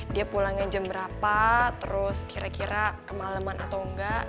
dia pulangnya jam berapa terus kira kira kemaleman atau enggak